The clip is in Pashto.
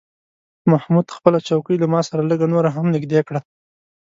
محمود خپله چوکۍ له ما سره لږه نوره هم نږدې کړه.